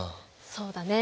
そうだね！